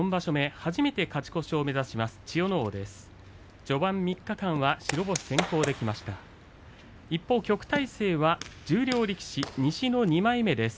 初めて勝ち越しを目指します千代ノ皇です。